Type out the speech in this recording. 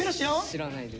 知らないです。